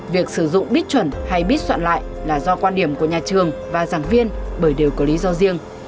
việc sử dụng bít chuẩn hay bít soạn lại là do quan điểm của nhà trường và giảng viên bởi đều có lý do riêng